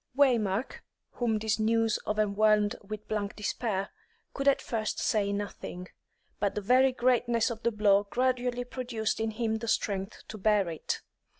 Waymark, whom this news overwhelmed with blank despair, could at first say nothing; but the very greatness of the blow gradually produced in him the strength to bear it.